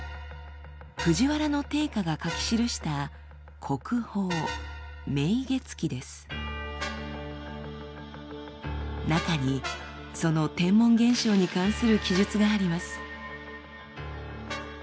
藤原定家が書き記した国宝中にその天文現象に関する記述があります。